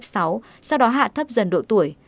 sau đó hạ thấp dần độ tuổi